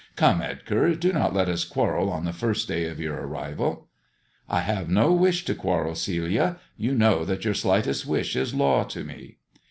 " Come, Edgar, do not let us quarrel on the first day of your arrival." " I have no wish to quarrel, Celia. You know that your slightest wish is law to me."